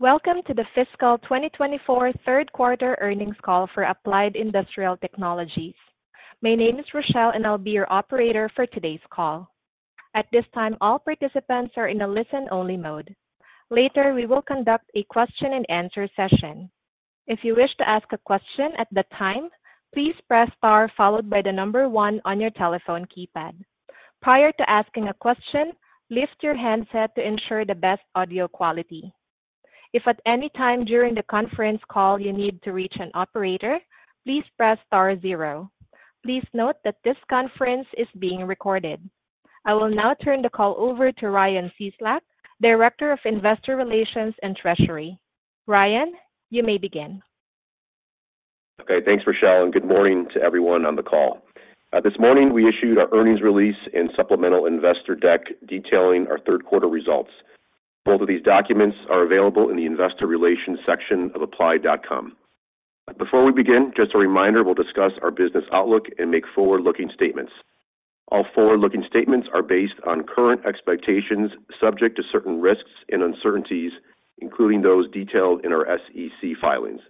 Welcome to the Fiscal 2024 third-quarter earnings call for Applied Industrial Technologies. My name is Rochelle and I'll be your operator for today's call. At this time, all participants are in a listen-only mode. Later, we will conduct a question-and-answer session. If you wish to ask a question at the time, please press star followed by the number one on your telephone keypad. Prior to asking a question, lift your handset to ensure the best audio quality. If at any time during the conference call you need to reach an operator, please press star 0. Please note that this conference is being recorded. I will now turn the call over to Ryan Cieslak, Director of Investor Relations and Treasury. Ryan, you may begin. Okay, thanks Rochelle, and good morning to everyone on the call. This morning we issued our earnings release and supplemental investor deck detailing our third-quarter results. Both of these documents are available in the investor relations section of applied.com. Before we begin, just a reminder we'll discuss our business outlook and make forward-looking statements. All forward-looking statements are based on current expectations subject to certain risks and uncertainties, including those detailed in our SEC filings.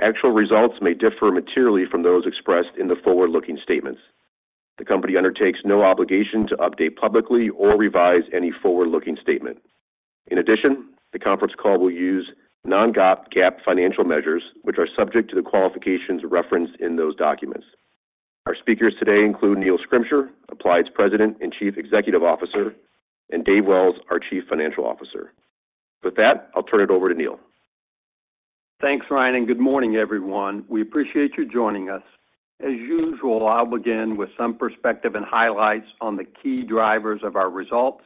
Actual results may differ materially from those expressed in the forward-looking statements. The company undertakes no obligation to update publicly or revise any forward-looking statement. In addition, the conference call will use non-GAAP financial measures, which are subject to the qualifications referenced in those documents. Our speakers today include Neil Scrimsher, Applied's President and Chief Executive Officer, and Dave Wells, our Chief Financial Officer. With that, I'll turn it over to Neil. Thanks, Ryan, and good morning, everyone. We appreciate you joining us. As usual, I'll begin with some perspective and highlights on the key drivers of our results,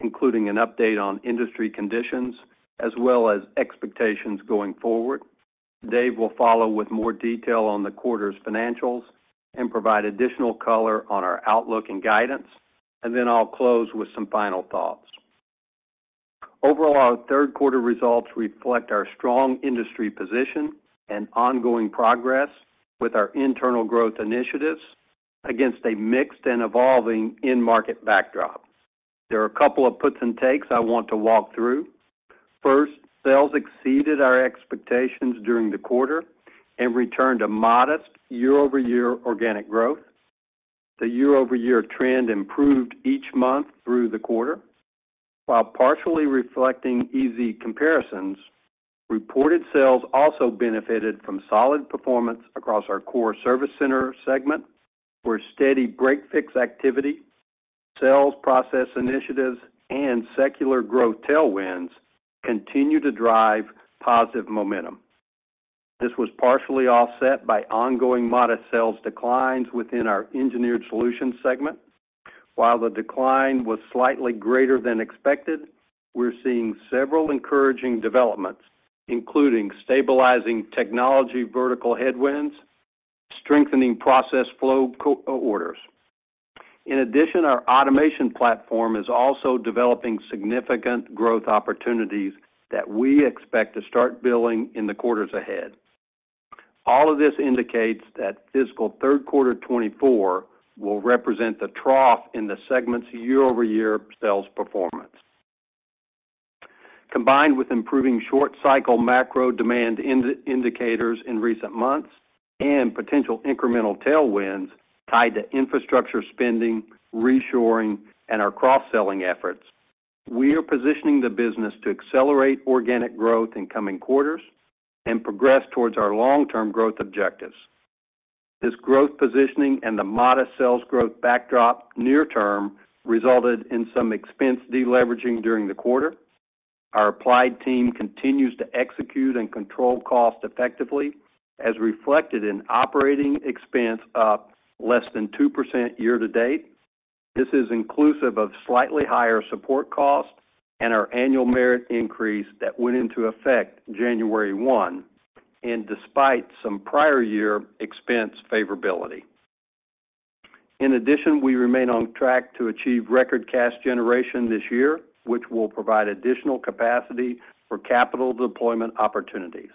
including an update on industry conditions as well as expectations going forward. Dave will follow with more detail on the quarter's financials and provide additional color on our outlook and guidance, and then I'll close with some final thoughts. Overall, our third-quarter results reflect our strong industry position and ongoing progress with our internal growth initiatives against a mixed and evolving end-market backdrop. There are a couple of puts and takes I want to walk through. First, sales exceeded our expectations during the quarter and returned a modest year-over-year organic growth. The year-over-year trend improved each month through the quarter. While partially reflecting easy comparisons, reported sales also benefited from solid performance across our core Service Center segment, where steady break-fix activity, sales process initiatives, and secular growth tailwinds continue to drive positive momentum. This was partially offset by ongoing modest sales declines within our Engineered Solutions segment. While the decline was slightly greater than expected, we're seeing several encouraging developments, including stabilizing technology vertical headwinds and strengthening process flow orders. In addition, our automation platform is also developing significant growth opportunities that we expect to start building in the quarters ahead. All of this indicates that fiscal third quarter 2024 will represent the trough in the segment's year-over-year sales performance. Combined with improving short-cycle macro demand indicators in recent months and potential incremental tailwinds tied to infrastructure spending, reshoring, and our cross-selling efforts, we are positioning the business to accelerate organic growth in coming quarters and progress towards our long-term growth objectives. This growth positioning and the modest sales growth backdrop near-term resulted in some expense deleveraging during the quarter. Our Applied team continues to execute and control costs effectively, as reflected in operating expense up less than 2% year to date. This is inclusive of slightly higher support costs and our annual merit increase that went into effect January 1, and despite some prior-year expense favorability. In addition, we remain on track to achieve record cash generation this year, which will provide additional capacity for capital deployment opportunities.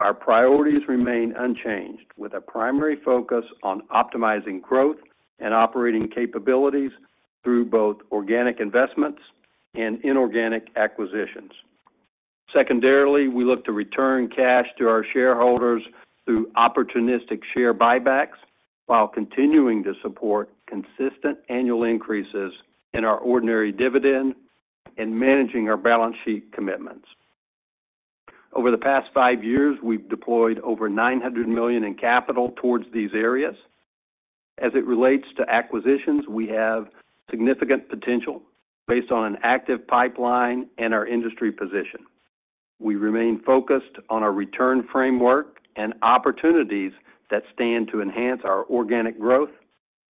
Our priorities remain unchanged, with a primary focus on optimizing growth and operating capabilities through both organic investments and inorganic acquisitions. Secondarily, we look to return cash to our shareholders through opportunistic share buybacks while continuing to support consistent annual increases in our ordinary dividend and managing our balance sheet commitments. Over the past five years, we've deployed over $900 million in capital towards these areas. As it relates to acquisitions, we have significant potential based on an active pipeline and our industry position. We remain focused on our return framework and opportunities that stand to enhance our organic growth,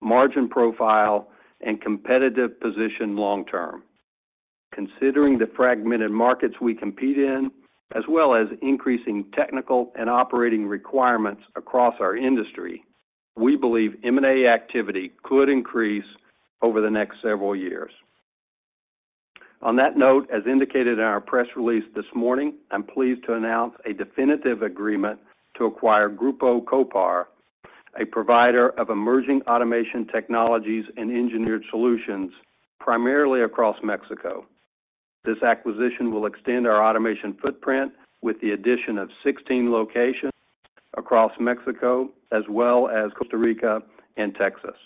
margin profile, and competitive position long-term. Considering the fragmented markets we compete in, as well as increasing technical and operating requirements across our industry, we believe M&A activity could increase over the next several years. On that note, as indicated in our press release this morning, I'm pleased to announce a definitive agreement to acquire Grupo Kopar, a provider of emerging automation technologies and engineered solutions primarily across Mexico. This acquisition will extend our automation footprint with the addition of 16 locations across Mexico as well as Costa Rica and Texas.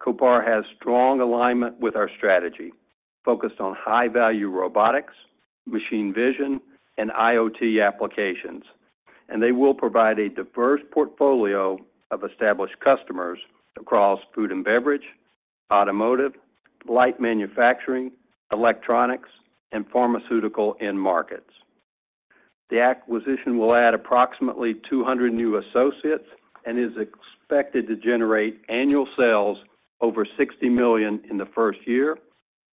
Kopar has strong alignment with our strategy, focused on high-value robotics, machine vision, and IoT applications, and they will provide a diverse portfolio of established customers across food and beverage, automotive, light manufacturing, electronics, and pharmaceutical end-markets. The acquisition will add approximately 200 new associates and is expected to generate annual sales over $60 million in the first year,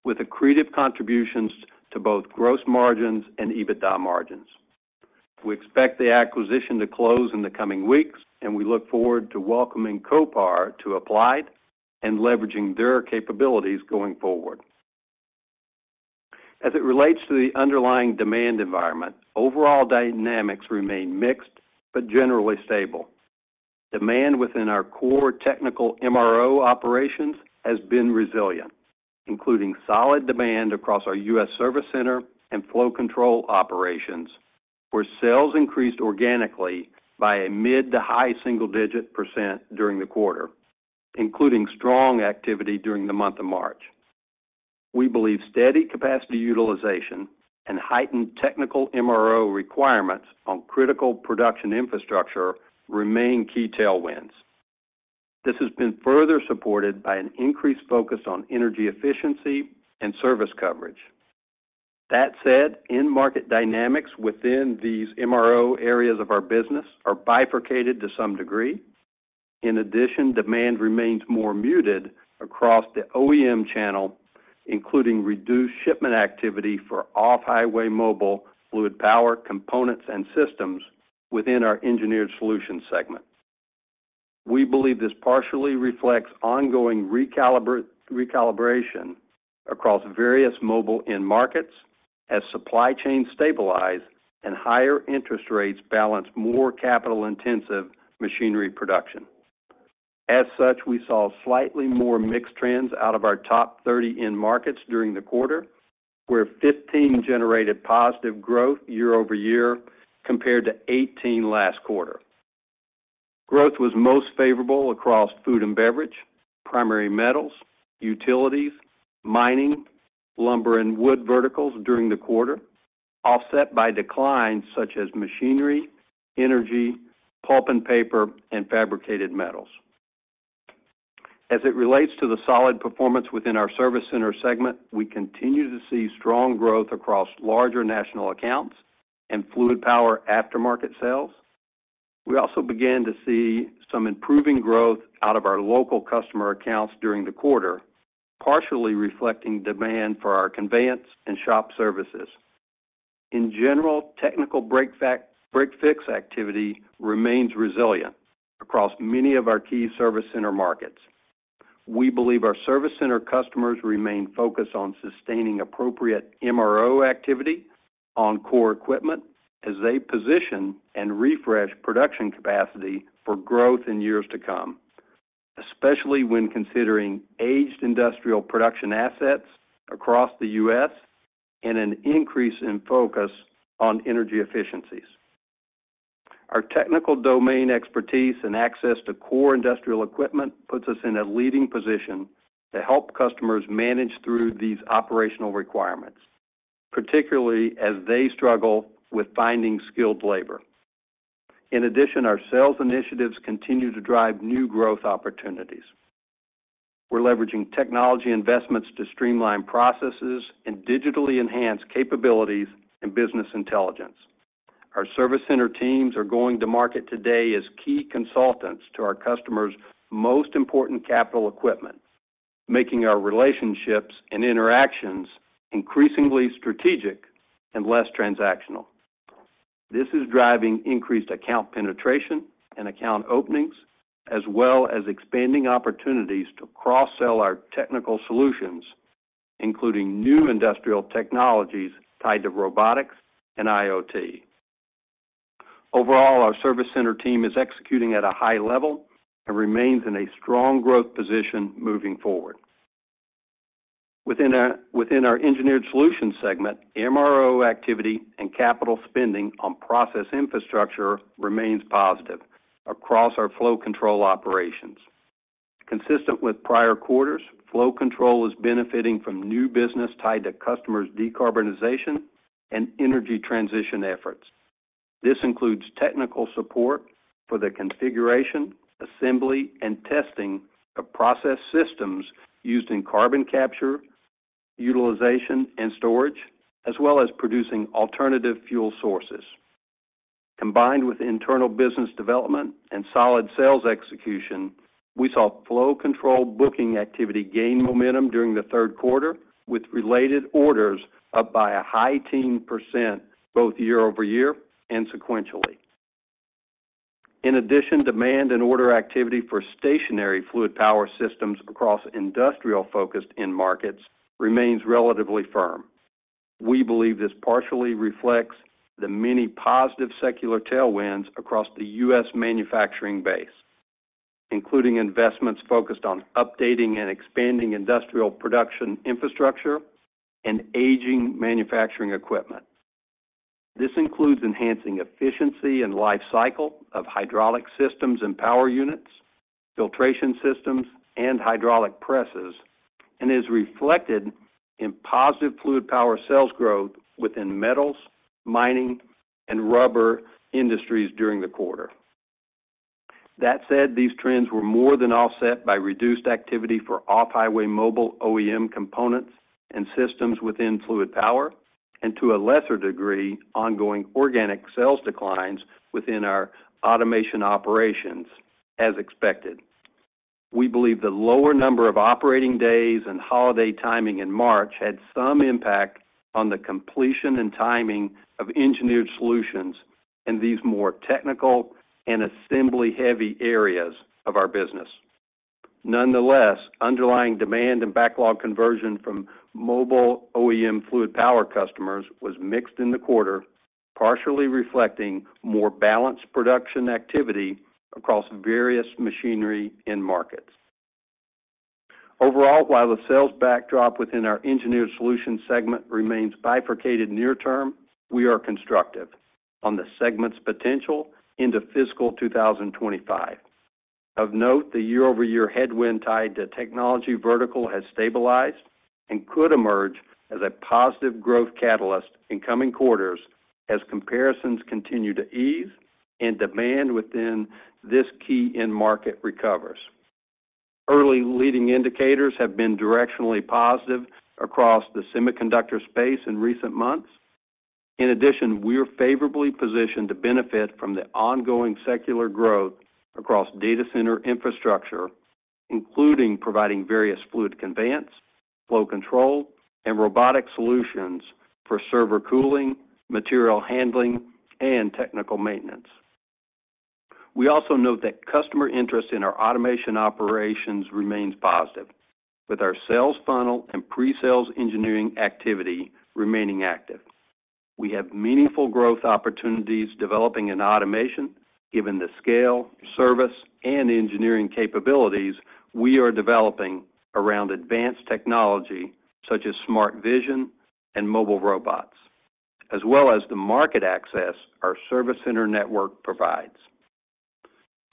with accretive contributions to both gross margins and EBITDA margins. We expect the acquisition to close in the coming weeks, and we look forward to welcoming Kopar to Applied and leveraging their capabilities going forward. As it relates to the underlying demand environment, overall dynamics remain mixed but generally stable. Demand within our core technical MRO operations has been resilient, including solid demand across our U.S. Service Center and flow control operations, where sales increased organically by a mid- to high-single-digit % during the quarter, including strong activity during the month of March. We believe steady capacity utilization and heightened technical MRO requirements on critical production infrastructure remain key tailwinds. This has been further supported by an increased focus on energy efficiency and service coverage. That said, end-market dynamics within these MRO areas of our business are bifurcated to some degree. In addition, demand remains more muted across the OEM channel, including reduced shipment activity for off-highway mobile fluid power components and systems within our Engineered Solutions segment. We believe this partially reflects ongoing recalibration across various mobile end-markets as supply chains stabilize and higher interest rates balance more capital-intensive machinery production. As such, we saw slightly more mixed trends out of our top 30 end-markets during the quarter, where 15 generated positive growth year-over-year compared to 18 last quarter. Growth was most favorable across food and beverage, primary metals, utilities, mining, lumber, and wood verticals during the quarter, offset by declines such as machinery, energy, pulp and paper, and fabricated metals. As it relates to the solid performance within our Service Center segment, we continue to see strong growth across larger national accounts and fluid power aftermarket sales. We also began to see some improving growth out of our local customer accounts during the quarter, partially reflecting demand for our conveyance and shop services. In general, technical break-fix activity remains resilient across many of our key Service Center markets. We believe our service center customers remain focused on sustaining appropriate MRO activity on core equipment as they position and refresh production capacity for growth in years to come, especially when considering aged industrial production assets across the U.S. and an increase in focus on energy efficiencies. Our technical domain expertise and access to core industrial equipment puts us in a leading position to help customers manage through these operational requirements, particularly as they struggle with finding skilled labor. In addition, our sales initiatives continue to drive new growth opportunities. We're leveraging technology investments to streamline processes and digitally enhance capabilities and business intelligence. Our service center teams are going to market today as key consultants to our customers' most important capital equipment, making our relationships and interactions increasingly strategic and less transactional. This is driving increased account penetration and account openings, as well as expanding opportunities to cross-sell our technical solutions, including new industrial technologies tied to robotics and IoT. Overall, our Service Center team is executing at a high level and remains in a strong growth position moving forward. Within our Engineered Solutions segment, MRO activity and capital spending on process infrastructure remains positive across our flow control operations. Consistent with prior quarters, flow control is benefiting from new business tied to customers' decarbonization and energy transition efforts. This includes technical support for the configuration, assembly, and testing of process systems used in carbon capture, utilization, and storage, as well as producing alternative fuel sources. Combined with internal business development and solid sales execution, we saw flow control booking activity gain momentum during the third quarter, with related orders up by a high 10% both year-over-year and sequentially. In addition, demand and order activity for stationary fluid power systems across industrial-focused end-markets remains relatively firm. We believe this partially reflects the many positive secular tailwinds across the U.S. manufacturing base, including investments focused on updating and expanding industrial production infrastructure and aging manufacturing equipment. This includes enhancing efficiency and life cycle of hydraulic systems and power units, filtration systems, and hydraulic presses, and is reflected in positive fluid power sales growth within metals, mining, and rubber industries during the quarter. That said, these trends were more than offset by reduced activity for off-highway mobile OEM components and systems within fluid power, and to a lesser degree, ongoing organic sales declines within our automation operations, as expected. We believe the lower number of operating days and holiday timing in March had some impact on the completion and timing of engineered solutions in these more technical and assembly-heavy areas of our business. Nonetheless, underlying demand and backlog conversion from mobile OEM fluid power customers was mixed in the quarter, partially reflecting more balanced production activity across various machinery end-markets. Overall, while the sales backdrop within our Engineered Solutions segment remains bifurcated near-term, we are constructive on the segment's potential into fiscal 2025. Of note, the year-over-year headwind tied to technology vertical has stabilized and could emerge as a positive growth catalyst in coming quarters as comparisons continue to ease and demand within this key end-market recovers. Early leading indicators have been directionally positive across the semiconductor space in recent months. In addition, we're favorably positioned to benefit from the ongoing secular growth across data center infrastructure, including providing various fluid conveyance, flow control, and robotic solutions for server cooling, material handling, and technical maintenance. We also note that customer interest in our automation operations remains positive, with our sales funnel and pre-sales engineering activity remaining active. We have meaningful growth opportunities developing in automation, given the scale, service, and engineering capabilities we are developing around advanced technology such as smart vision and mobile robots, as well as the market access our service center network provides.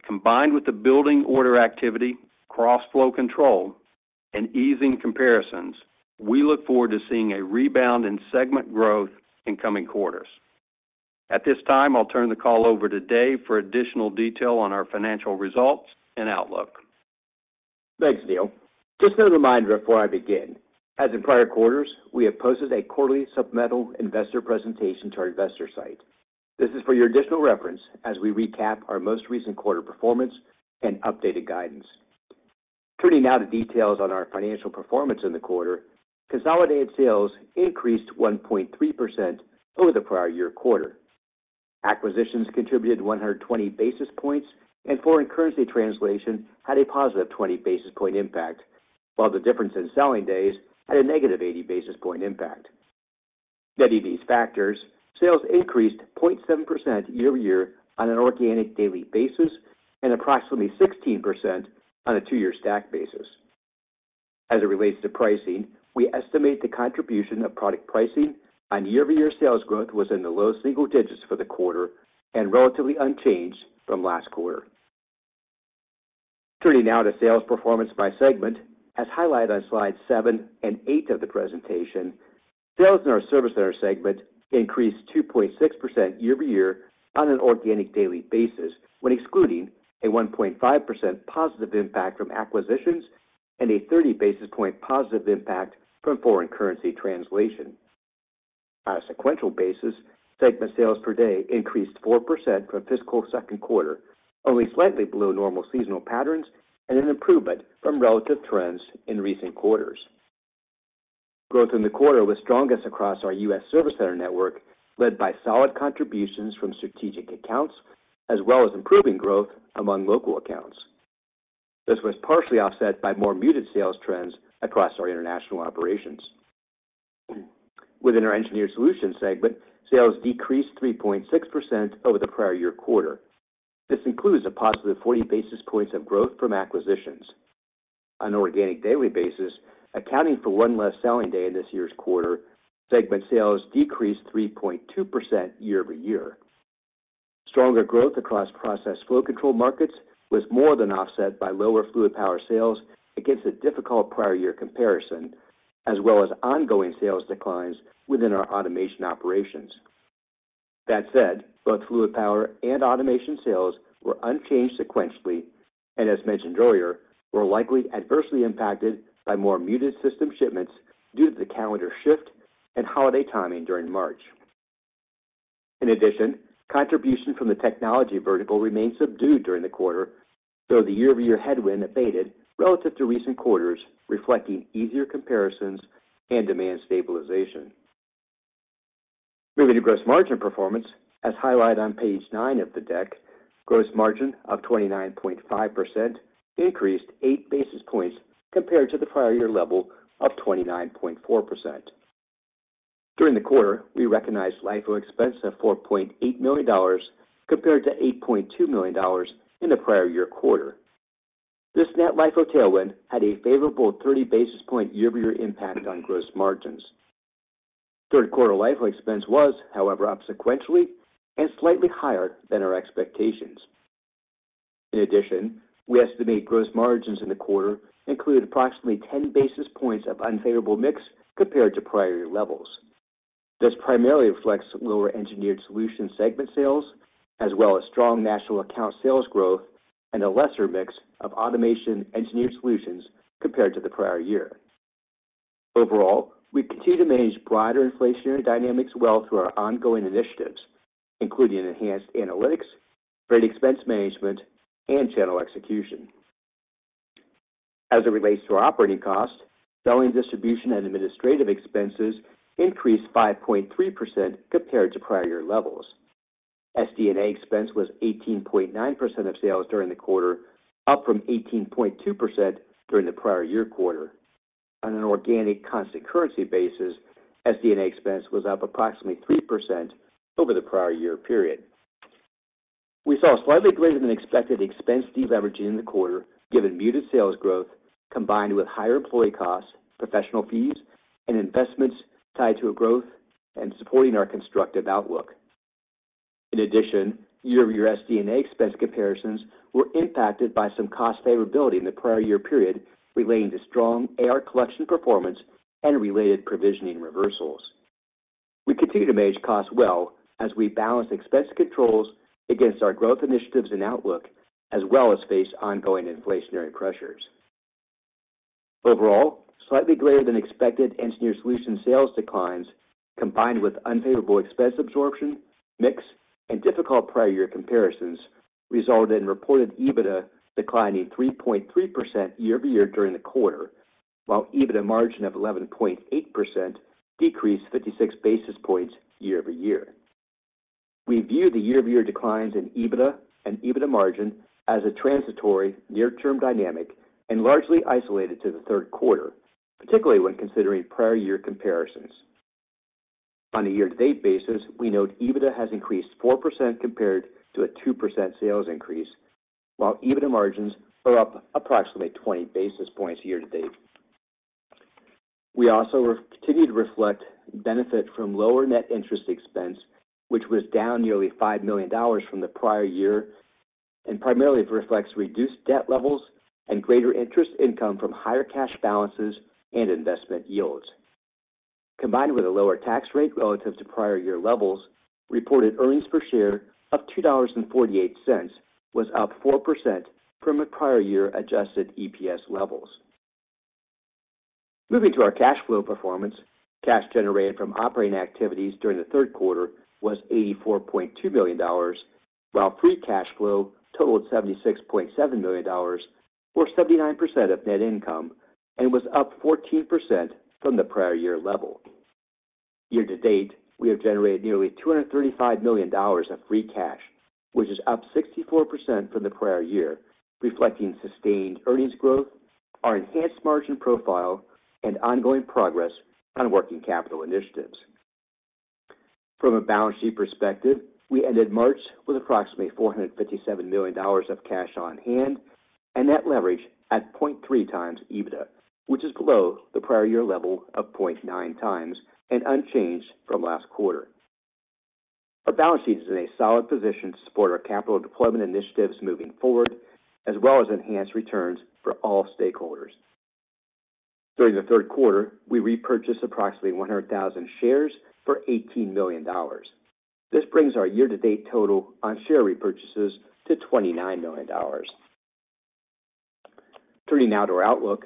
Combined with the building order activity, process flow control, and easing comparisons, we look forward to seeing a rebound in segment growth in coming quarters. At this time, I'll turn the call over to Dave for additional detail on our financial results and outlook. Thanks, Neil. Just a reminder before I begin: as in prior quarters, we have posted a quarterly supplemental investor presentation to our investor site. This is for your additional reference as we recap our most recent quarter performance and updated guidance. Turning now to details on our financial performance in the quarter, consolidated sales increased 1.3% over the prior year quarter. Acquisitions contributed 120 basis points and foreign currency translation had a positive 20 basis points impact, while the difference in selling days had a negative 80 basis points impact. Net of these factors, sales increased 0.7% year-over-year on an organic daily basis and approximately 16% on a two-year stack basis. As it relates to pricing, we estimate the contribution of product pricing on year-over-year sales growth was in the low single digits for the quarter and relatively unchanged from last quarter. Turning now to sales performance by segment, as highlighted on slides seven and eight of the presentation, sales in our Service Center segment increased 2.6% year-over-year on an organic daily basis when excluding a 1.5% positive impact from acquisitions and a 30 basis point positive impact from foreign currency translation. On a sequential basis, segment sales per day increased 4% from fiscal second quarter, only slightly below normal seasonal patterns and an improvement from relative trends in recent quarters. Growth in the quarter was strongest across our U.S. Service Center network, led by solid contributions from strategic accounts as well as improving growth among local accounts. This was partially offset by more muted sales trends across our international operations. Within our Engineered Solutions segment, sales decreased 3.6% over the prior year quarter. This includes a positive 40 basis points of growth from acquisitions. On an organic daily basis, accounting for one less selling day in this year's quarter, segment sales decreased 3.2% year-over-year. Stronger growth across process flow control markets was more than offset by lower fluid power sales against a difficult prior year comparison, as well as ongoing sales declines within our automation operations. That said, both fluid power and automation sales were unchanged sequentially and, as mentioned earlier, were likely adversely impacted by more muted system shipments due to the calendar shift and holiday timing during March. In addition, contribution from the technology vertical remained subdued during the quarter, though the year-over-year headwind abated relative to recent quarters, reflecting easier comparisons and demand stabilization. Moving to gross margin performance, as highlighted on page nine of the deck, gross margin of 29.5% increased eight basis points compared to the prior year level of 29.4%. During the quarter, we recognized LIFO expense of $4.8 million compared to $8.2 million in the prior year quarter. This net LIFO tailwind had a favorable 30 basis points year-over-year impact on gross margins. Third quarter LIFO expense was, however, up sequentially and slightly higher than our expectations. In addition, we estimate gross margins in the quarter include approximately 10 basis points of unfavorable mix compared to prior year levels. This primarily reflects lower Engineered Solutions segment sales, as well as strong national account sales growth and a lesser mix of automation engineered solutions compared to the prior year. Overall, we continue to manage broader inflationary dynamics well through our ongoing initiatives, including enhanced analytics, great expense management, and channel execution. As it relates to our operating cost, Selling, Distribution, and Administrative expenses increased 5.3% compared to prior year levels. SD&A expense was 18.9% of sales during the quarter, up from 18.2% during the prior year quarter. On an organic constant currency basis, SD&A expense was up approximately 3% over the prior year period. We saw slightly greater than expected expense deleveraging in the quarter given muted sales growth combined with higher employee costs, professional fees, and investments tied to growth and supporting our constructive outlook. In addition, year-over-year SD&A expense comparisons were impacted by some cost favorability in the prior year period relating to strong AR collection performance and related provisioning reversals. We continue to manage costs well as we balance expense controls against our growth initiatives and outlook, as well as face ongoing inflationary pressures. Overall, slightly greater than expected engineered solutions sales declines combined with unfavorable expense absorption, mix, and difficult prior year comparisons resulted in reported EBITDA declining 3.3% year-over-year during the quarter, while EBITDA margin of 11.8% decreased 56 basis points year-over-year. We view the year-over-year declines in EBITDA and EBITDA margin as a transitory near-term dynamic and largely isolated to the third quarter, particularly when considering prior year comparisons. On a year-to-date basis, we note EBITDA has increased 4% compared to a 2% sales increase, while EBITDA margins are up approximately 20 basis points year-to-date. We also continue to reflect benefit from lower net interest expense, which was down nearly $5 million from the prior year and primarily reflects reduced debt levels and greater interest income from higher cash balances and investment yields. Combined with a lower tax rate relative to prior year levels, reported earnings per share of $2.48 was up 4% from a prior year adjusted EPS levels. Moving to our cash flow performance, cash generated from operating activities during the third quarter was $84.2 million, while free cash flow totaled $76.7 million, or 79% of net income, and was up 14% from the prior year level. Year to date, we have generated nearly $235 million of free cash, which is up 64% from the prior year, reflecting sustained earnings growth, our enhanced margin profile, and ongoing progress on working capital initiatives. From a balance sheet perspective, we ended March with approximately $457 million of cash on hand and net leverage at 0.3x EBITDA, which is below the prior year level of 0.9x and unchanged from last quarter. Our balance sheet is in a solid position to support our capital deployment initiatives moving forward, as well as enhanced returns for all stakeholders. During the third quarter, we repurchased approximately 100,000 shares for $18 million. This brings our year-to-date total on share repurchases to $29 million. Turning now to our outlook,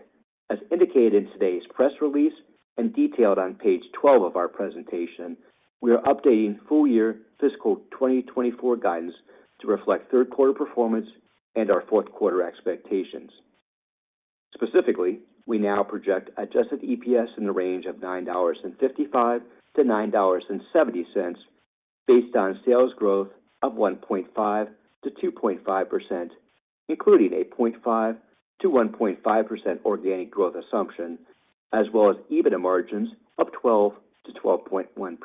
as indicated in today's press release and detailed on page 12 of our presentation, we are updating full-year fiscal 2024 guidance to reflect third quarter performance and our fourth quarter expectations. Specifically, we now project adjusted EPS in the range of $9.55-$9.70 based on sales growth of 1.5%-2.5%, including a 0.5%-1.5% organic growth assumption, as well as EBITDA margins of 12%-12.1%.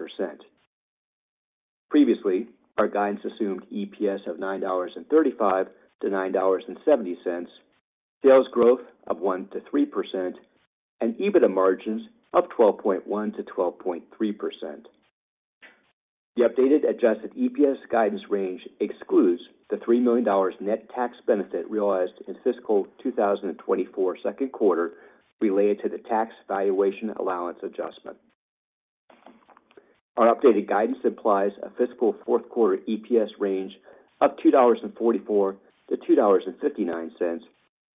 Previously, our guidance assumed EPS of $9.35-$9.70, sales growth of 1%-3%, and EBITDA margins of 12.1%-12.3%. The updated adjusted EPS guidance range excludes the $3 million net tax benefit realized in fiscal 2024 second quarter related to the tax valuation allowance adjustment. Our updated guidance implies a fiscal fourth quarter EPS range of $2.44-$2.59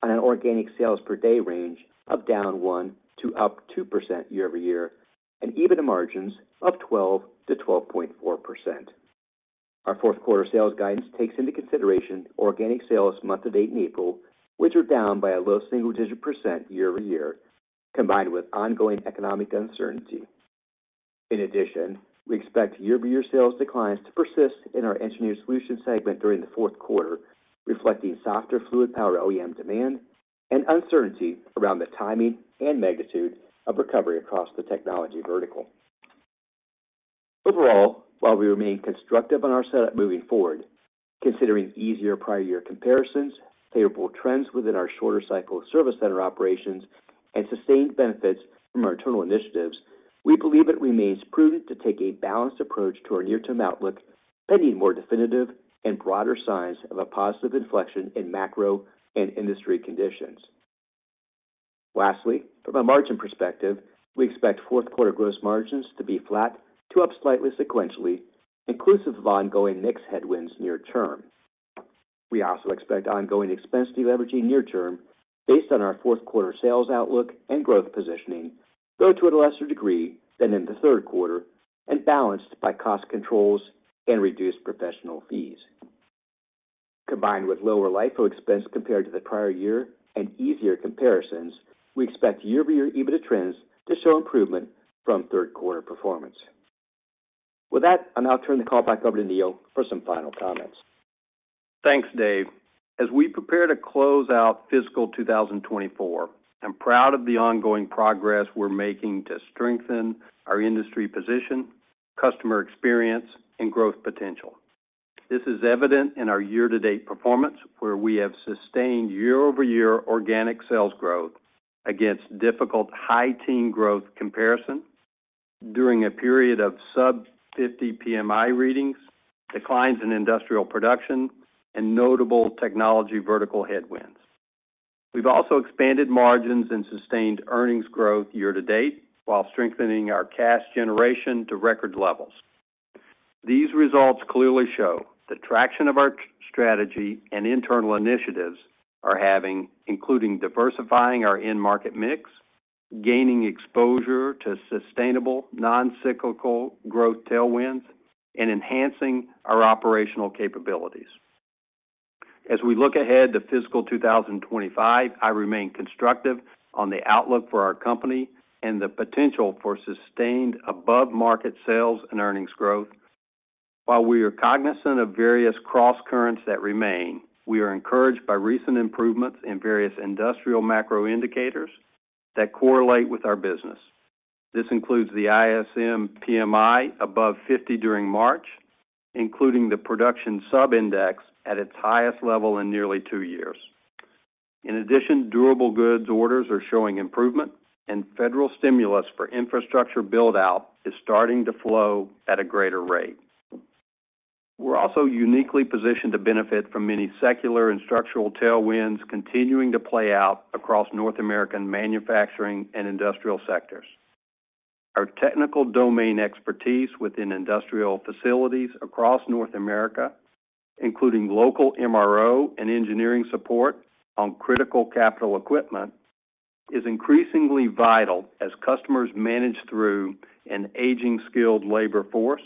on an organic sales per day range of down 1% to up 2% year-over-year and EBITDA margins of 12%-12.4%. Our fourth quarter sales guidance takes into consideration organic sales month to date in April, which are down by a low single-digit % year-over-year, combined with ongoing economic uncertainty. In addition, we expect year-over-year sales declines to persist in our Engineered Solutions segment during the fourth quarter, reflecting softer fluid power OEM demand and uncertainty around the timing and magnitude of recovery across the technology vertical. Overall, while we remain constructive on our setup moving forward, considering easier prior year comparisons, favorable trends within our shorter cycle of service center operations, and sustained benefits from our internal initiatives, we believe it remains prudent to take a balanced approach to our near-term outlook pending more definitive and broader signs of a positive inflection in macro and industry conditions. Lastly, from a margin perspective, we expect fourth quarter gross margins to be flat to up slightly sequentially, inclusive of ongoing mix headwinds near term. We also expect ongoing expense deleveraging near term based on our fourth quarter sales outlook and growth positioning, though to a lesser degree than in the third quarter and balanced by cost controls and reduced professional fees. Combined with lower LIFO expense compared to the prior year and easier comparisons, we expect year-over-year EBITDA trends to show improvement from third quarter performance. With that, I'll now turn the call back over to Neil for some final comments. Thanks, Dave. As we prepare to close out fiscal 2024, I'm proud of the ongoing progress we're making to strengthen our industry position, customer experience, and growth potential. This is evident in our year-to-date performance, where we have sustained year-over-year organic sales growth against difficult high-teens growth comparison, during a period of sub-50 PMI readings, declines in industrial production, and notable technology vertical headwinds. We've also expanded margins and sustained earnings growth year-to-date while strengthening our cash generation to record levels. These results clearly show the traction of our strategy and internal initiatives are having, including diversifying our end-market mix, gaining exposure to sustainable non-cyclical growth tailwinds, and enhancing our operational capabilities. As we look ahead to fiscal 2025, I remain constructive on the outlook for our company and the potential for sustained above-market sales and earnings growth. While we are cognizant of various cross currents that remain, we are encouraged by recent improvements in various industrial macro indicators that correlate with our business. This includes the ISM PMI above 50 during March, including the production subindex at its highest level in nearly two years. In addition, durable goods orders are showing improvement, and federal stimulus for infrastructure buildout is starting to flow at a greater rate. We're also uniquely positioned to benefit from many secular and structural tailwinds continuing to play out across North American manufacturing and industrial sectors. Our technical domain expertise within industrial facilities across North America, including local MRO and engineering support on critical capital equipment, is increasingly vital as customers manage through an aging skilled labor force,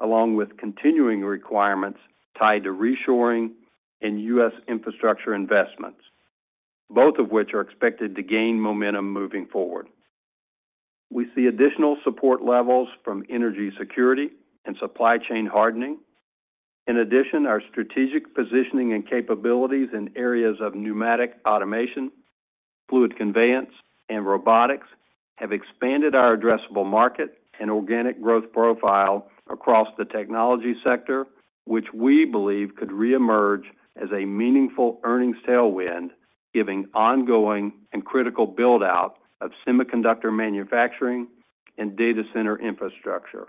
along with continuing requirements tied to reshoring and U.S. infrastructure investments, both of which are expected to gain momentum moving forward. We see additional support levels from energy security and supply chain hardening. In addition, our strategic positioning and capabilities in areas of pneumatic automation, fluid conveyance, and robotics have expanded our addressable market and organic growth profile across the technology sector, which we believe could reemerge as a meaningful earnings tailwind giving ongoing and critical buildout of semiconductor manufacturing and data center infrastructure.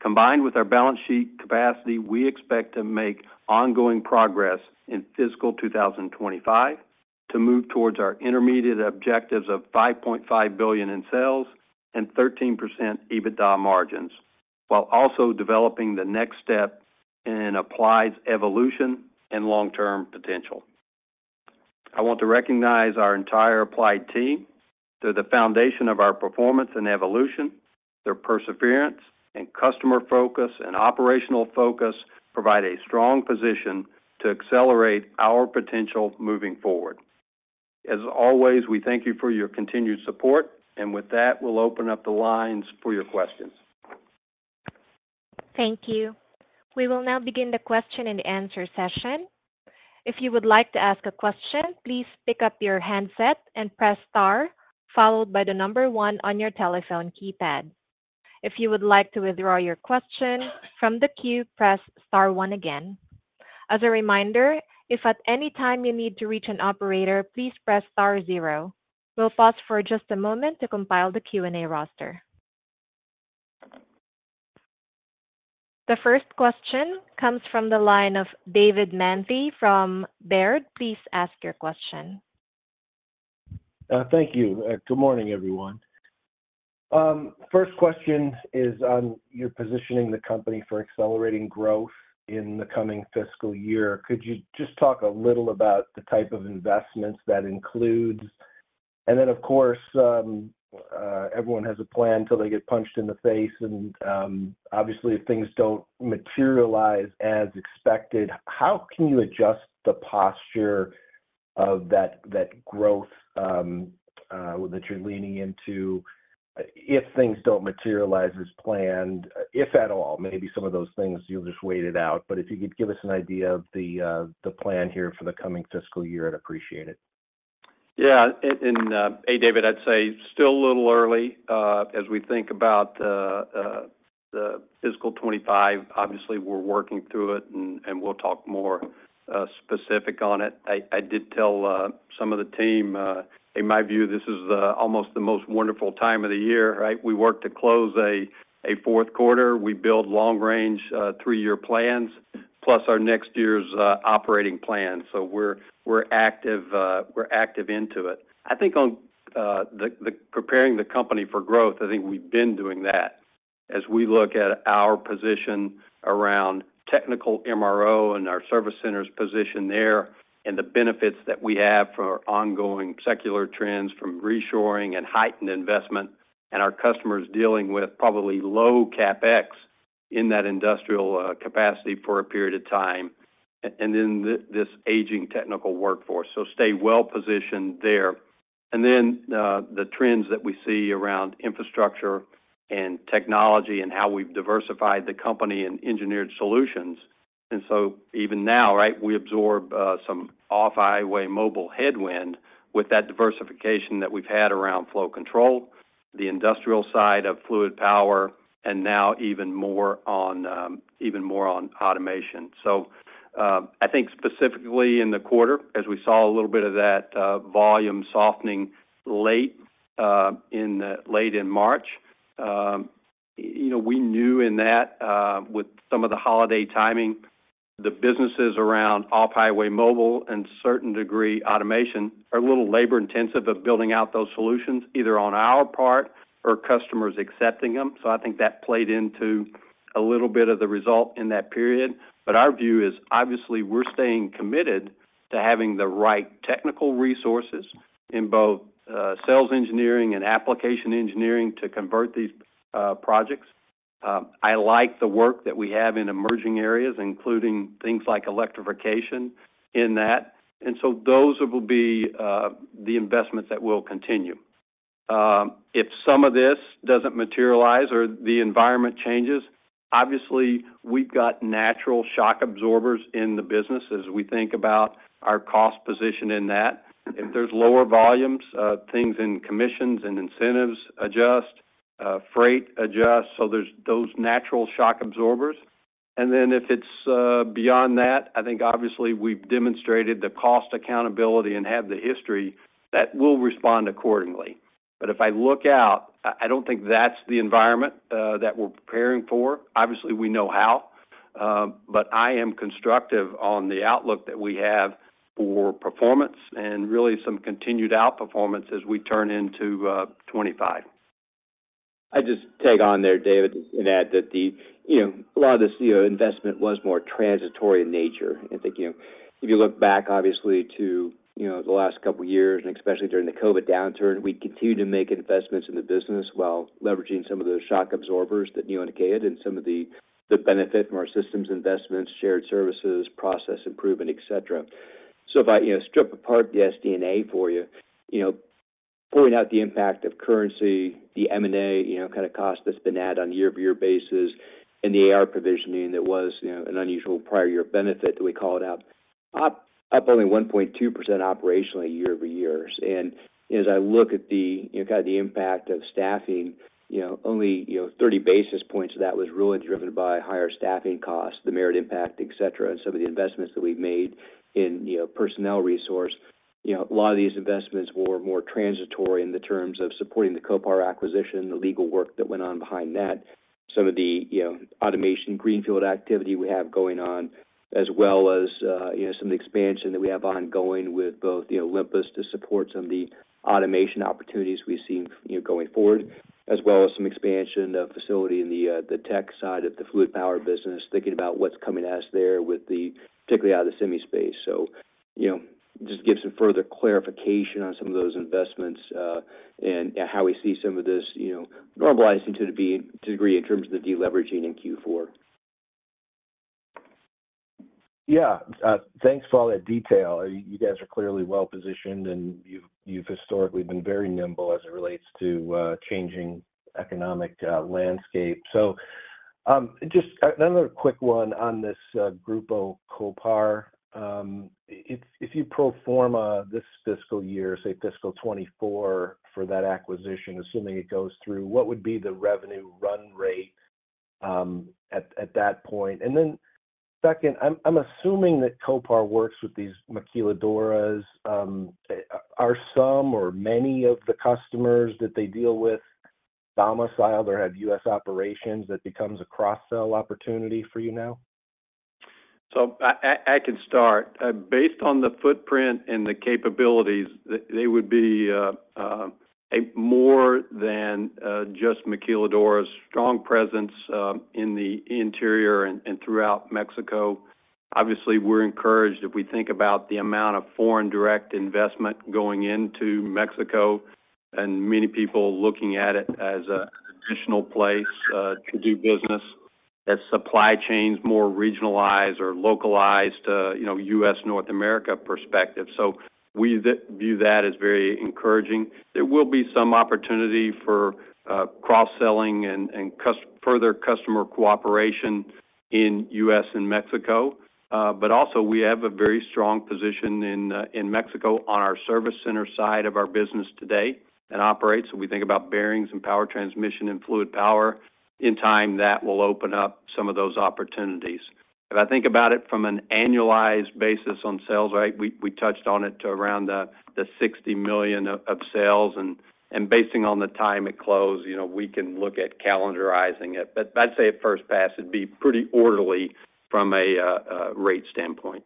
Combined with our balance sheet capacity, we expect to make ongoing progress in fiscal 2025 to move towards our intermediate objectives of $5.5 billion in sales and 13% EBITDA margins, while also developing the next step in Applied evolution and long-term potential. I want to recognize our entire Applied team. They're the foundation of our performance and evolution. Their perseverance and customer focus and operational focus provide a strong position to accelerate our potential moving forward. As always, we thank you for your continued support, and with that, we'll open up the lines for your questions. Thank you. We will now begin the question-and-answer session. If you would like to ask a question, please pick up your handset and press star followed by the number one on your telephone keypad. If you would like to withdraw your question from the queue, press star one again. As a reminder, if at any time you need to reach an operator, please press star 0. We'll pause for just a moment to compile the Q&A roster. The first question comes from the line of David Manthey from Baird. Please ask your question. Thank you. Good morning, everyone. First question is on your positioning the company for accelerating growth in the coming fiscal year. Could you just talk a little about the type of investments that includes and then, of course, everyone has a plan till they get punched in the face, and obviously, if things don't materialize as expected, how can you adjust the posture of that growth that you're leaning into if things don't materialize as planned, if at all? Maybe some of those things you'll just wait it out, but if you could give us an idea of the plan here for the coming fiscal year, I'd appreciate it. Yeah. Hey, David, I'd say still a little early. As we think about the fiscal 2025, obviously, we're working through it, and we'll talk more specific on it. I did tell some of the team, in my view, this is almost the most wonderful time of the year, right? We work to close a fourth quarter. We build long-range three-year plans, plus our next year's operating plan. So we're active into it. I think on preparing the company for growth, I think we've been doing that as we look at our position around technical MRO and our service center's position there and the benefits that we have from our ongoing secular trends from reshoring and heightened investment and our customers dealing with probably low CapEx in that industrial capacity for a period of time and then this aging technical workforce. So stay well positioned there. And then the trends that we see around infrastructure and technology and how we've diversified the company and engineered solutions. And so even now, right, we absorb some off-highway mobile headwind with that diversification that we've had around flow control, the industrial side of fluid power, and now even more on automation. So I think specifically in the quarter, as we saw a little bit of that volume softening late in March, we knew in that with some of the holiday timing, the businesses around off-highway mobile and certain degree automation are a little labor-intensive of building out those solutions either on our part or customers accepting them. So I think that played into a little bit of the result in that period. But our view is, obviously, we're staying committed to having the right technical resources in both sales engineering and application engineering to convert these projects. I like the work that we have in emerging areas, including things like electrification in that. And so those will be the investments that will continue. If some of this doesn't materialize or the environment changes, obviously, we've got natural shock absorbers in the business as we think about our cost position in that. If there's lower volumes, things in commissions and incentives adjust, freight adjusts. So there's those natural shock absorbers. And then if it's beyond that, I think, obviously, we've demonstrated the cost accountability and have the history that will respond accordingly. But if I look out, I don't think that's the environment that we're preparing for. Obviously, we know how. But I am constructive on the outlook that we have for performance and really some continued outperformance as we turn into 2025. I'd just take on there, David, and add that a lot of this investment was more transitory in nature. I think if you look back, obviously, to the last couple of years and especially during the COVID downturn, we continued to make investments in the business while leveraging some of those shock absorbers that Neil indicated and some of the benefit from our systems investments, shared services, process improvement, etc. So if I strip apart the SD&A for you, pulling out the impact of currency, the M&A kind of cost that's been added on a year-over-year basis, and the AR provisioning that was an unusual prior year benefit that we called out, up only 1.2% operationally year-over-year. As I look at kind of the impact of staffing, only 30 basis points of that was really driven by higher staffing costs, the merit impact, etc., and some of the investments that we've made in personnel resource. A lot of these investments were more transitory in the terms of supporting the Kopar acquisition, the legal work that went on behind that, some of the automation greenfield activity we have going on, as well as some of the expansion that we have ongoing with both Olympus to support some of the automation opportunities we've seen going forward, as well as some expansion of facility in the tech side of the fluid power business, thinking about what's coming at us there particularly out of the semi-space. Just give some further clarification on some of those investments and how we see some of this normalizing to a degree in terms of the deleveraging in Q4. Yeah. Thanks for all that detail. You guys are clearly well positioned, and you've historically been very nimble as it relates to changing economic landscape. So just another quick one on this Grupo Kopar. If you pro forma this fiscal year, say fiscal 2024, for that acquisition, assuming it goes through, what would be the revenue run rate at that point? And then second, I'm assuming that Kopar works with these maquiladoras. Are some or many of the customers that they deal with domiciled or have U.S. operations that becomes a cross-sell opportunity for you now? So I can start. Based on the footprint and the capabilities, they would be more than just maquiladoras, strong presence in the interior and throughout Mexico. Obviously, we're encouraged if we think about the amount of foreign direct investment going into Mexico and many people looking at it as an additional place to do business, as supply chains more regionalized or localized to U.S., North America perspective. So we view that as very encouraging. There will be some opportunity for cross-selling and further customer cooperation in U.S. and Mexico. But also, we have a very strong position in Mexico on our Service Center side of our business today and operates. So we think about bearings and power transmission and fluid power. In time, that will open up some of those opportunities. If I think about it from an annualized basis on sales, right, we touched on it to around the $60 million of sales. And basing on the time it closed, we can look at calendarizing it. But I'd say at first pass, it'd be pretty orderly from a rate standpoint.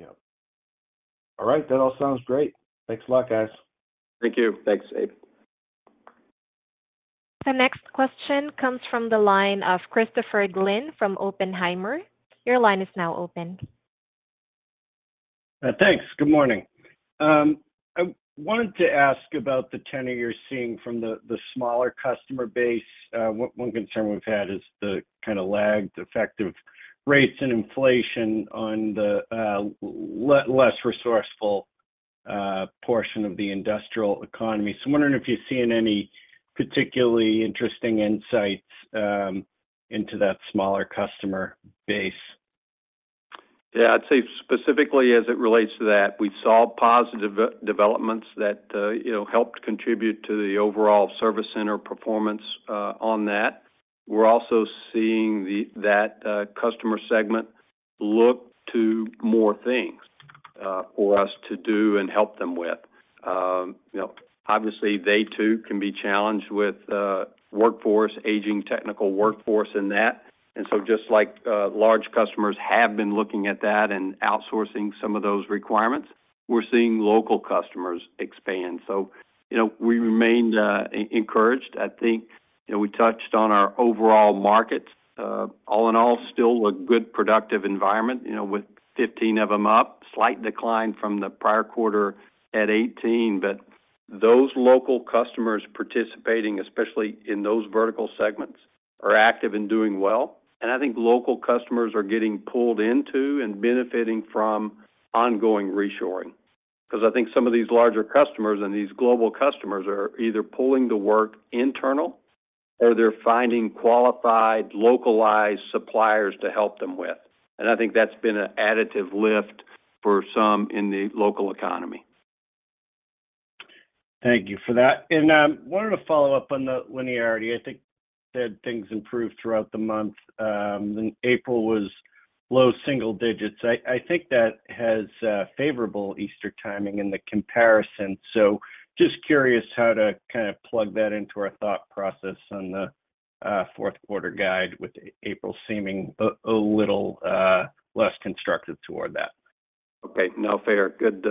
Yep. All right. That all sounds great. Thanks a lot, guys. Thank you. Thanks, Dave. The next question comes from the line of Christopher Glynn from Oppenheimer. Your line is now open. Thanks. Good morning. I wanted to ask about the tenure you're seeing from the smaller customer base. One concern we've had is the kind of lagged effective rates and inflation on the less resourceful portion of the industrial economy. So wondering if you're seeing any particularly interesting insights into that smaller customer base? Yeah. I'd say specifically as it relates to that, we saw positive developments that helped contribute to the overall service center performance on that. We're also seeing that customer segment look to more things for us to do and help them with. Obviously, they too can be challenged with aging technical workforce in that. And so just like large customers have been looking at that and outsourcing some of those requirements, we're seeing local customers expand. So we remain encouraged. I think we touched on our overall markets. All in all, still a good productive environment with 15 of them up, slight decline from the prior quarter at 18. But those local customers participating, especially in those vertical segments, are active and doing well. I think local customers are getting pulled into and benefiting from ongoing reshoring because I think some of these larger customers and these global customers are either pulling the work internal or they're finding qualified, localized suppliers to help them with. I think that's been an additive lift for some in the local economy. Thank you for that. And wanted to follow up on the linearity. I think that things improved throughout the month. April was low single digits. I think that has favorable Easter timing in the comparison. So just curious how to kind of plug that into our thought process on the fourth quarter guide with April seeming a little less constructive toward that. Okay. No, fair. Good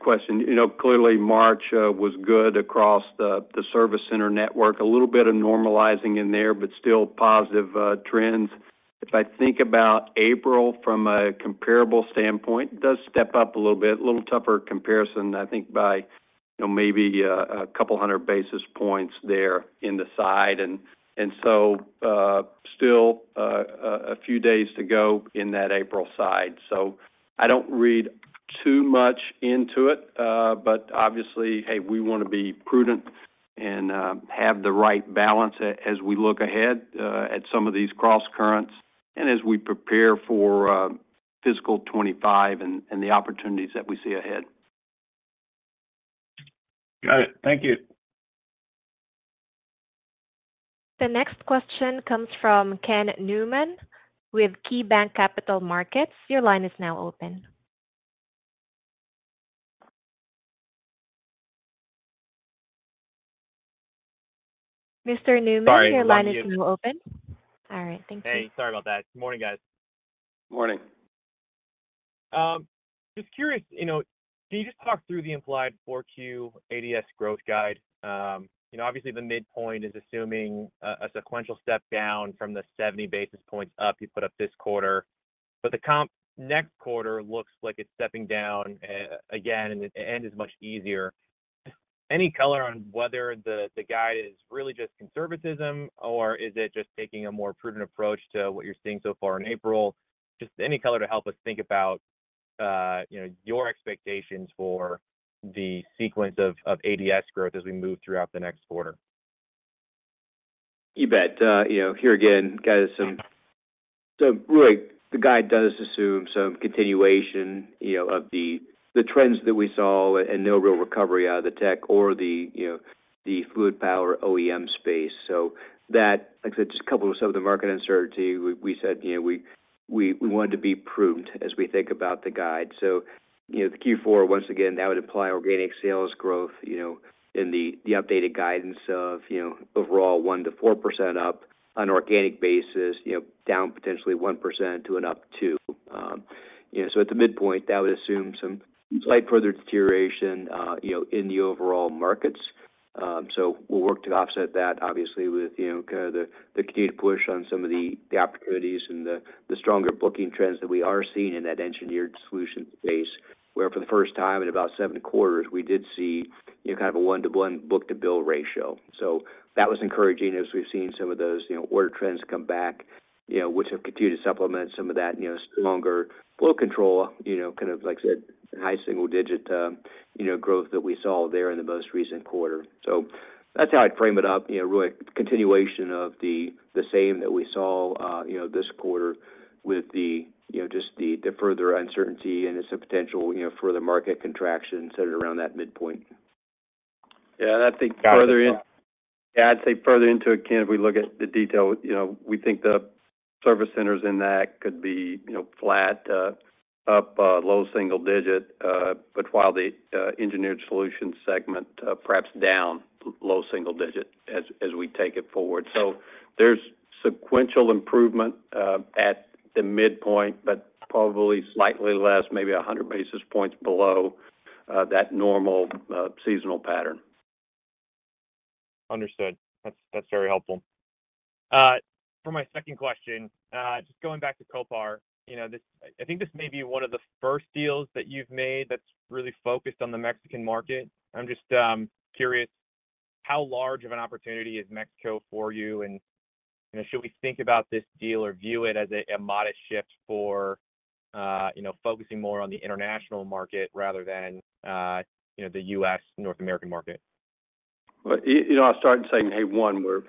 question. Clearly, March was good across the Service Center network, a little bit of normalizing in there, but still positive trends. If I think about April from a comparable standpoint, it does step up a little bit, a little tougher comparison, I think, by maybe a couple hundred basis points there in sales. And so still a few days to go in that April sales. So I don't read too much into it. But obviously, hey, we want to be prudent and have the right balance as we look ahead at some of these cross-currents and as we prepare for fiscal 2025 and the opportunities that we see ahead. Got it. Thank you. The next question comes from Ken Newman with KeyBanc Capital Markets. Your line is now open. Mr. Newman, your line is now open. All right. Thank you. Hey. Sorry about that. Good morning, guys. Morning. Just curious, can you just talk through the implied 4Q ADS growth guide? Obviously, the midpoint is assuming a sequential step down from the 70 basis points up you put up this quarter. But the next quarter looks like it's stepping down again and is much easier. Any color on whether the guide is really just conservatism, or is it just taking a more prudent approach to what you're seeing so far in April? Just any color to help us think about your expectations for the sequence of ADS growth as we move throughout the next quarter. You bet. Here again, guys, so really, the guide does assume some continuation of the trends that we saw and no real recovery out of the tech or the fluid power OEM space. So that, like I said, just a couple of some of the market uncertainty. We said we wanted to be prudent as we think about the guide. So the Q4, once again, that would imply organic sales growth in the updated guidance of overall 1%-4% up on an organic basis, down potentially 1% to an up 2%. So at the midpoint, that would assume some slight further deterioration in the overall markets. So we'll work to offset that, obviously, with kind of the continued push on some of the opportunities and the stronger booking trends that we are seeing in that engineered solution space where for the first time in about seven quarters, we did see kind of a 1-to-1 book-to-bill ratio. So that was encouraging as we've seen some of those order trends come back, which have continued to supplement some of that stronger flow control, kind of, like I said, high single-digit growth that we saw there in the most recent quarter. So that's how I'd frame it up, really continuation of the same that we saw this quarter with just the further uncertainty and some potential further market contraction centered around that midpoint. Yeah. I think further into it, yeah. I'd say further into it, Ken, if we look at the detail, we think the Service Centers in that could be flat to up, low single-digit, but while the Engineered Solutions segment perhaps down, low single-digit as we take it forward. So there's sequential improvement at the midpoint, but probably slightly less, maybe 100 basis points below that normal seasonal pattern. Understood. That's very helpful. For my second question, just going back to Kopar, I think this may be one of the first deals that you've made that's really focused on the Mexican market. I'm just curious, how large of an opportunity is Mexico for you? And should we think about this deal or view it as a modest shift for focusing more on the international market rather than the U.S., North American market? Well, I'll start in saying, hey, one, we're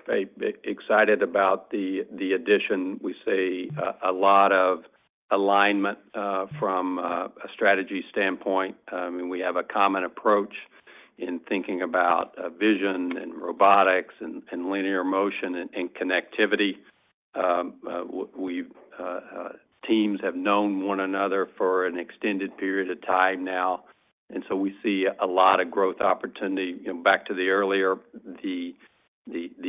excited about the addition, we say, a lot of alignment from a strategy standpoint. I mean, we have a common approach in thinking about vision and robotics and linear motion and connectivity. Teams have known one another for an extended period of time now. And so we see a lot of growth opportunity. Back to the earlier, the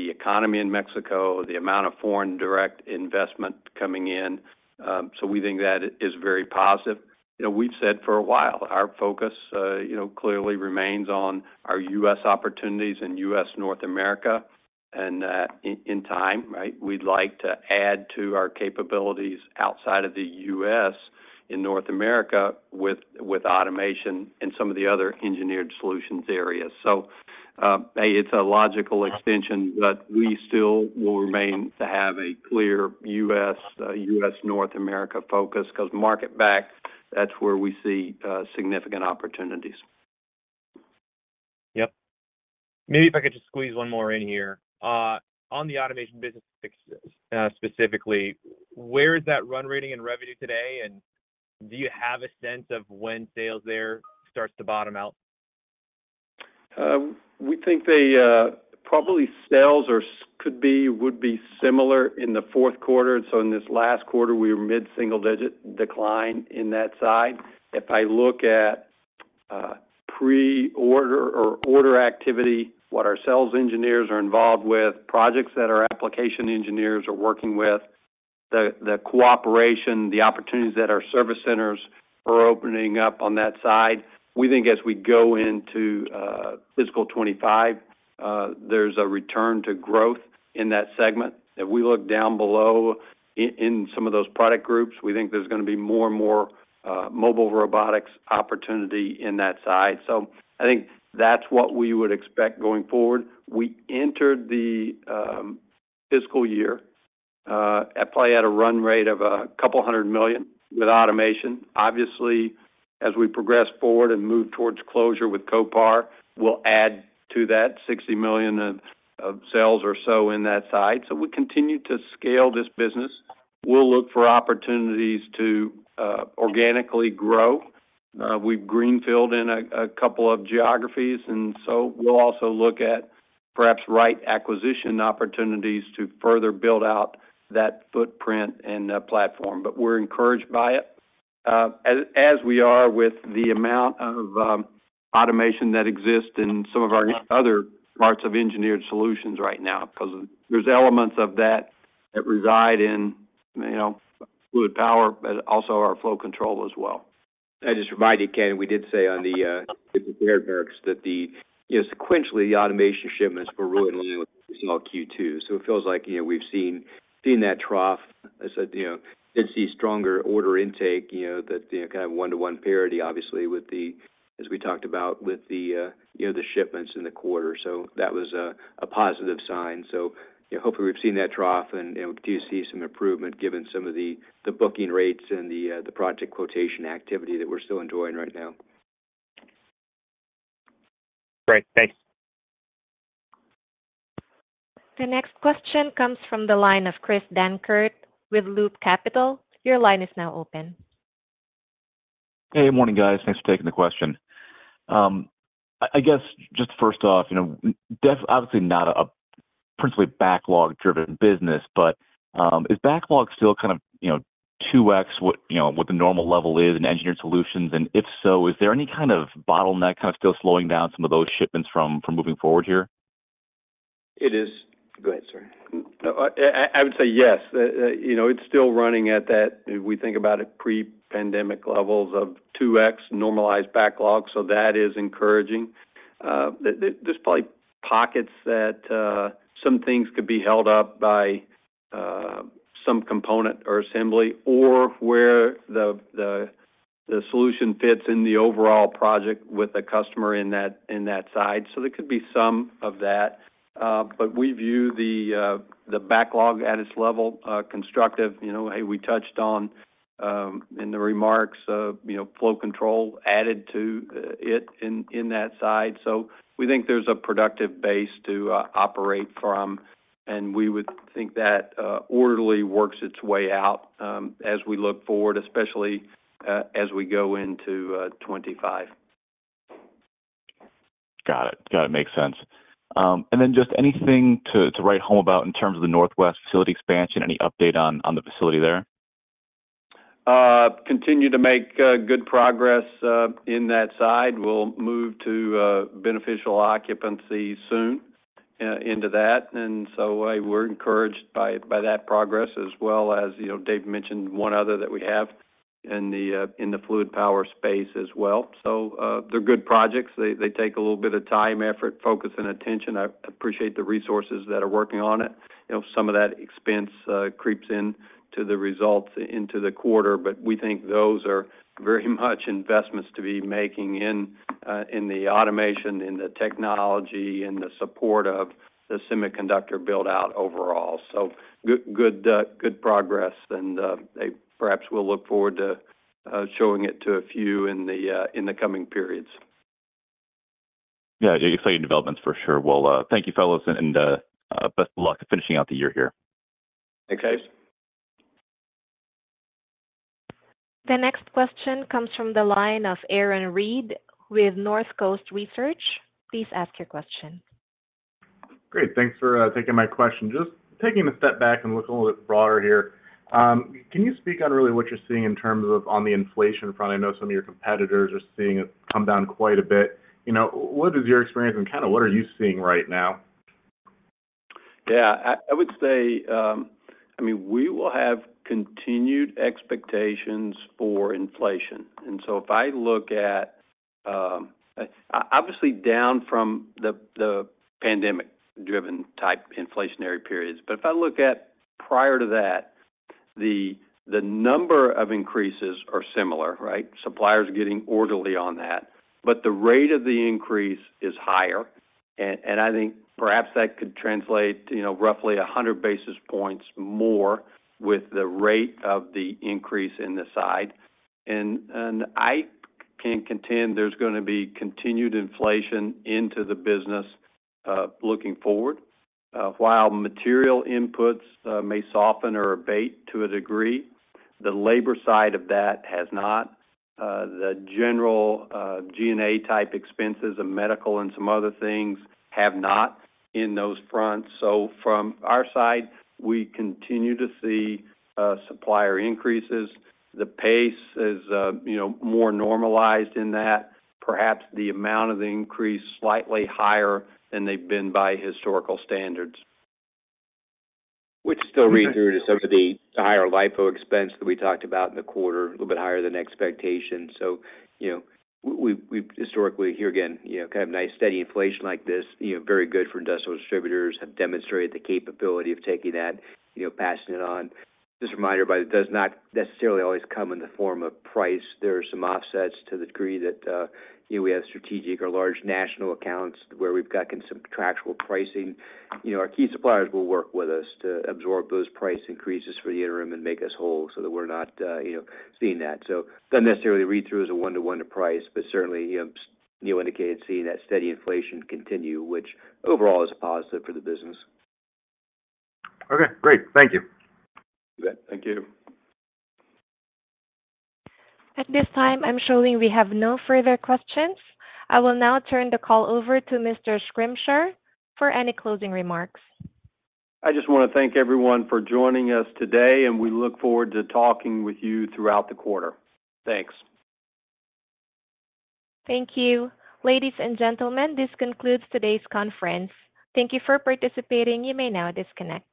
economy in Mexico, the amount of foreign direct investment coming in, so we think that is very positive. We've said for a while, our focus clearly remains on our U.S. opportunities and U.S., North America. And in time, right, we'd like to add to our capabilities outside of the U.S. in North America with automation and some of the other engineered solutions areas. So hey, it's a logical extension, but we still will remain to have a clear U.S., North America focus because market-backed, that's where we see significant opportunities. Yep. Maybe if I could just squeeze one more in here. On the automation business specifically, where is that run rate and revenue today? And do you have a sense of when sales there starts to bottom out? We think probably sales could be, would be similar in the fourth quarter. And so in this last quarter, we were mid-single digit decline in that side. If I look at pre-order or order activity, what our sales engineers are involved with, projects that our application engineers are working with, the cooperation, the opportunities that our service centers are opening up on that side, we think as we go into fiscal 2025, there's a return to growth in that segment. If we look down below in some of those product groups, we think there's going to be more and more mobile robotics opportunity in that side. So I think that's what we would expect going forward. We entered the fiscal year at play at a run rate of $200 million with automation. Obviously, as we progress forward and move towards closure with Kopar, we'll add to that $60 million of sales or so in that side. So we continue to scale this business. We'll look for opportunities to organically grow. We've greenfield in a couple of geographies. And so we'll also look at perhaps right acquisition opportunities to further build out that footprint and platform. But we're encouraged by it as we are with the amount of automation that exists in some of our other parts of engineered solutions right now because there's elements of that that reside in fluid power, but also our flow control as well. I just remind you, Ken, we did say on the prepared remarks that sequentially, the automation shipments were really in line with what we saw Q2. So it feels like we've seen that trough. I said we did see stronger order intake, that kind of 1-to-1 parity, obviously, as we talked about with the shipments in the quarter. So that was a positive sign. So hopefully, we've seen that trough, and we'll continue to see some improvement given some of the booking rates and the project quotation activity that we're still enjoying right now. Great. Thanks. The next question comes from the line of Chris Dankert with Loop Capital. Your line is now open. Hey. Good morning, guys. Thanks for taking the question. I guess just first off, obviously, not a principally backlog-driven business, but is backlog still kind of 2X what the normal level is in Engineered Solutions? And if so, is there any kind of bottleneck kind of still slowing down some of those shipments from moving forward here? It is. Go ahead, sir. I would say yes. It's still running at that, if we think about it, pre-pandemic levels of 2x normalized backlog. So that is encouraging. There's probably pockets that some things could be held up by some component or assembly or where the solution fits in the overall project with a customer in that side. So there could be some of that. But we view the backlog at its level constructive. Hey, we touched on in the remarks flow control added to it in that side. So we think there's a productive base to operate from. And we would think that orderly works its way out as we look forward, especially as we go into 2025. Got it. Got it. Makes sense. And then just anything to write home about in terms of the Northwest facility expansion, any update on the facility there? Continue to make good progress in that side. We'll move to beneficial occupancy soon into that. And so we're encouraged by that progress, as well as Dave mentioned one other that we have in the fluid power space as well. So they're good projects. They take a little bit of time, effort, focus, and attention. I appreciate the resources that are working on it. Some of that expense creeps into the results into the quarter, but we think those are very much investments to be making in the automation, in the technology, in the support of the semiconductor buildout overall. So good progress. And perhaps we'll look forward to showing it to a few in the coming periods. Yeah. Exciting developments for sure. Well, thank you, fellas, and best of luck finishing out the year here. Thanks, guys. The next question comes from the line of Aaron Reed with Northcoast Research. Please ask your question. Great. Thanks for taking my question. Just taking a step back and look a little bit broader here. Can you speak on really what you're seeing in terms of on the inflation front? I know some of your competitors are seeing it come down quite a bit. What is your experience, and kind of what are you seeing right now? Yeah. I would say, I mean, we will have continued expectations for inflation. And so if I look at obviously, down from the pandemic-driven type inflationary periods, but if I look at prior to that, the number of increases are similar, right? Suppliers getting orderly on that. But the rate of the increase is higher. And I think perhaps that could translate to roughly 100 basis points more with the rate of the increase in this side. And I can contend there's going to be continued inflation into the business looking forward. While material inputs may soften or abate to a degree, the labor side of that has not. The general G&A type expenses and medical and some other things have not in those fronts. So from our side, we continue to see supplier increases. The pace is more normalized in that. Perhaps the amount of the increase slightly higher than they've been by historical standards. We'd still read through to some of the higher LIFO expense that we talked about in the quarter, a little bit higher than expectation. So we've historically, here again, kind of nice, steady inflation like this, very good for industrial distributors, have demonstrated the capability of taking that, passing it on. Just a reminder, by the way, it does not necessarily always come in the form of price. There are some offsets to the degree that we have strategic or large national accounts where we've got some contractual pricing. Our key suppliers will work with us to absorb those price increases for the interim and make us whole so that we're not seeing that. So don't necessarily read through as a one-to-one to price, but certainly indicated seeing that steady inflation continue, which overall is positive for the business. Okay. Great. Thank you. You bet. Thank you. At this time, I'm showing we have no further questions. I will now turn the call over to Mr. Schrimsher for any closing remarks. I just want to thank everyone for joining us today, and we look forward to talking with you throughout the quarter. Thanks. Thank you. Ladies and gentlemen, this concludes today's conference. Thank you for participating. You may now disconnect.